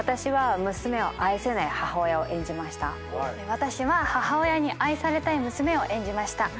私は母親に愛されたい娘を演じました。